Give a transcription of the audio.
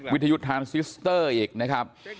วิทยุทานซิสเตอร์อีกนะครับ